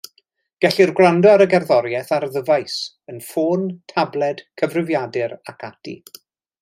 Gellir gwrando ar y gerddoriaeth ar ddyfais, yn ffôn, tabled, cyfrifiadur ac ati.